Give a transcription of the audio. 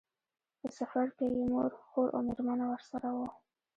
په سفر کې یې مور، خور او مېرمنه ورسره وو.